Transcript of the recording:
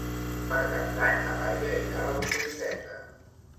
Per Cap d'Any na Laia irà a la biblioteca.